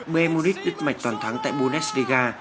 b munich đứt mạch toàn thắng tại bundesliga